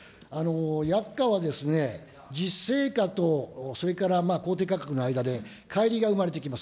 薬価はですね、実勢価とそれから公定価格の間で、かい離が生まれてきます。